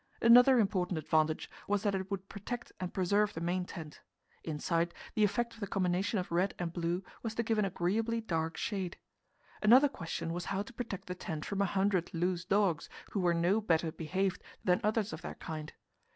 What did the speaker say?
Another important advantage was that it would protect and preserve the main tent. Inside, the effect of the combination of red and blue was to give an agreeably dark shade. Another question was how to protect the tent from a hundred loose dogs, who were no better behaved than others of their kind.